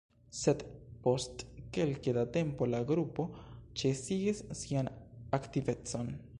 Sed, post kelke da tempo la grupo ĉesigis sian aktivecon.